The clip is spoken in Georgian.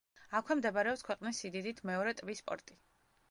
აქვე მდებარეობს ქვეყნის სიდიდით მეორე ტბის პორტი.